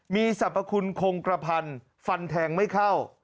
มีสรรพคุณคงกระพันธ์ฟันแทงไม่เข้า